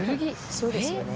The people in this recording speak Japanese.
そうですよね。